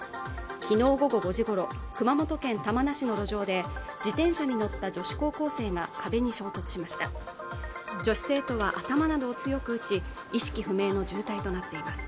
昨日午後５時ごろ熊本県玉名市の路上で自転車に乗った女子高校生が壁に衝突しました女子生徒は頭などを強く打ち意識不明の重体となっています